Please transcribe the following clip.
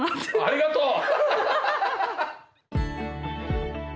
ありがとう！